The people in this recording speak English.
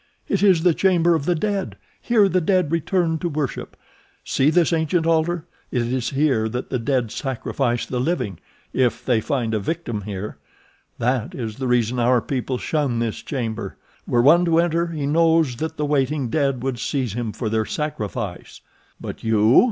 "It is the Chamber of the Dead. Here the dead return to worship. See this ancient altar? It is here that the dead sacrifice the living—if they find a victim here. That is the reason our people shun this chamber. Were one to enter he knows that the waiting dead would seize him for their sacrifice." "But you?"